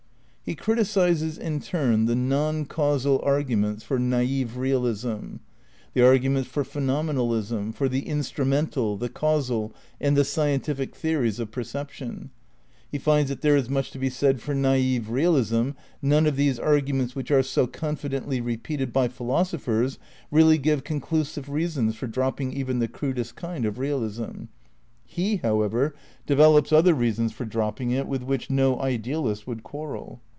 He criticises in turn the non causal arguments for naif realism; the arguments for Phenomenalism; for the "Instrumental," the "Causal," and the "Scien tific" theories of perception. He finds that there is much to be said for naif realism "... none of these arguments which are so confidently repeated by phi losophers really give conclusive reasons for dropping even the crudest kind of realism." (He, however, de velops other reasons for dropping it with which no idealist would quarrel.)